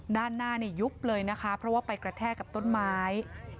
ด้านหน้ายุบเลยนะคะเพราะว่าไปกระแทกกับต้นไม้